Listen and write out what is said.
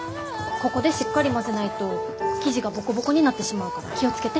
ここでしっかり混ぜないと生地がボコボコになってしまうから気を付けて。